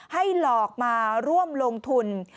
หลอกมาร่วมลงทุน